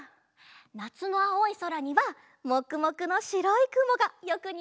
なつのあおいそらにはもくもくのしろいくもがよくにあうよね。